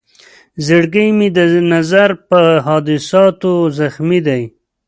زړګی مې د نظر په حادثاتو زخمي دی.